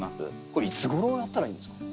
これいつごろやったらいいんですか？